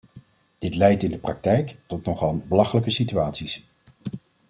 Dit leidt in de praktijk tot nogal belachelijke situaties.